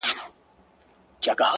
دا هوښیاري نه غواړم _ عقل ناباب راکه _